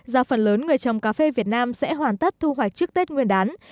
do phần lớn người trồng cà phê việt nam sẽ hoàn tất thu hoạch trước tết nguyên đán